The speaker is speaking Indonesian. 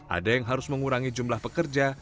ada yang harus mengurangi jumlah pekerja